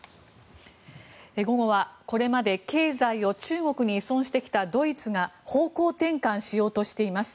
午後は、これまで経済を中国に依存してきたドイツが方向転換しようとしています。